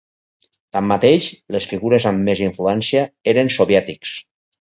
Tanmateix, les figures amb més influència eren soviètics.